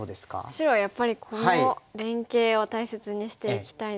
白はやっぱりこの連携を大切にしていきたいので。